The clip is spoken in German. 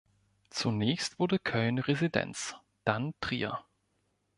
Zunächst wurde Köln Residenz, dann Trier.